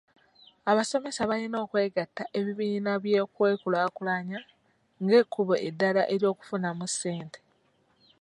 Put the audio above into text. Abasomesa balina okwegatta ebibiina by'okwekulaakulanya ng'ekkubo eddala ery'okufunamu ssente.